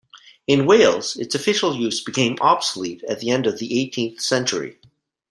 In Wales, its official use became obsolete at the end of the eighteenth century.